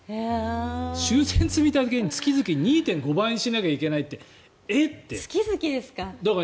修繕積立金月々２．５倍にしなきゃいけないって月々ですか？